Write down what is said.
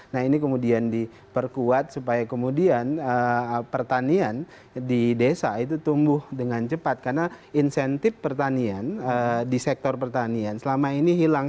nah ini kemudian diperkuat supaya kemudian pertanian di desa itu tumbuh dengan cepat karena insentif pertanian di sektor pertanian selama ini hilang